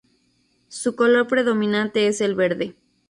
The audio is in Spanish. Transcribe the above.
Su color predominante es el verde.